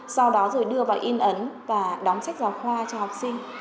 sau đó rồi đưa vào in ấn và đóng sách giáo khoa cho học sinh